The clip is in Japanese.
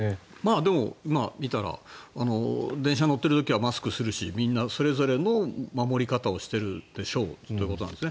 でも、見たら電車に乗ってる時はマスクをするしみんなそれぞれの守り方をしてるでしょうということなんですね。